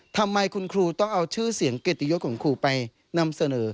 ทำไมคุณครูต้องเอาชื่อเสียงเกียรติยศของครูไปนำเสนอ